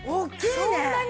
そんなに！？